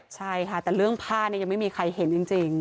ใช่ค่ะแต่เรื่องผ้าเนี่ยยังไม่มีใครเห็นจริง